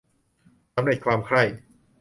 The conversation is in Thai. สำเร็จความใคร่